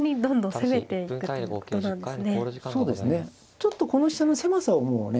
ちょっとこの飛車の狭さをもうね